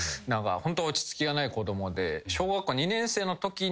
ホント落ち着きがない子供で。